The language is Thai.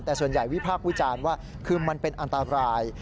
แต่ส่วนใหญ่วิพากษ์วิจารณ์ว่าคือมันเป็นอันตราย